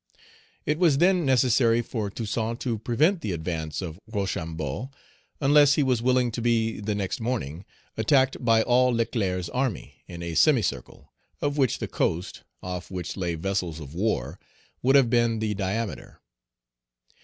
It was then necessary for Page 184 Toussaint to prevent the advance of Rochambeau, unless he was willing to be the next morning attacked by all Leclerc's army, in a semicircle, of which the coast, off which lay vessels of war, would have been the diameter.